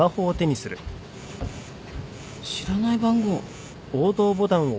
知らない番号。